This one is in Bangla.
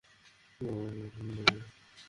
কেউ আছেন বারে?